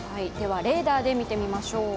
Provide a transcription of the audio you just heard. レーダーで見てみましょう。